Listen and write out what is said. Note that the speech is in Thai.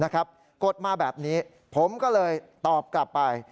กดมาแบบนี้ผมก็เลยตอบกลับไป